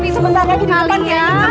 sebentar lagi di depan ya